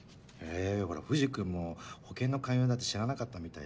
ほら藤君も保険の勧誘だって知らなかったみたいだよ。